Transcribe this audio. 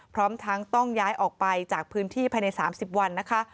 พร้อมทั้งต้องย้ายออกไปจากพื้นที่ภายใน๓๐วันนะคะ